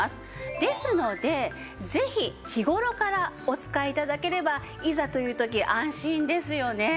ですのでぜひ日頃からお使い頂ければいざという時安心ですよね。